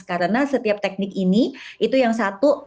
karena setiap teknik ini itu yang satu